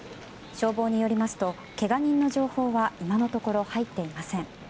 消防によりますとけが人の情報は今のところ入っていません。